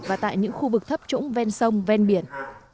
và tại những khu vực thấp trũng ven sông ven biển